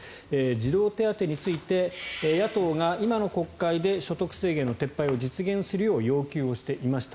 児童手当について野党が今の国会で所得制限の撤廃を実現するよう要求していました。